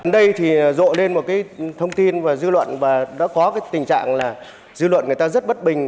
đây thì rộ lên một cái thông tin và dư luận và đã có cái tình trạng là dư luận người ta rất bất bình